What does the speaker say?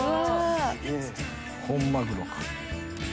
本マグロか。